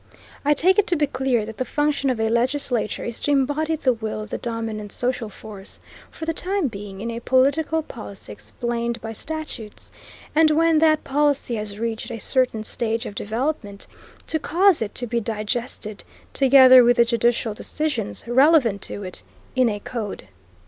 I take it to be clear that the function of a legislature is to embody the will of the dominant social force, for the time being, in a political policy explained by statutes, and when that policy has reached a certain stage of development, to cause it to be digested, together with the judicial decisions relevant to it, in a code.